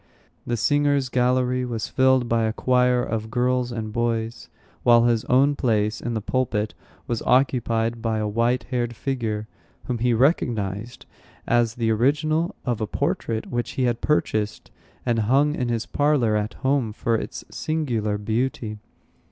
The singers' gallery was filled by a choir of girls and boys, while his own place in the pulpit was occupied by a white haired figure, whom he recognized as the original of a portrait which he had purchased and hung in his parlor at home for its singular beauty.